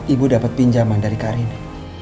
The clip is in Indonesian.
ibu dapet pinjaman dari kak rini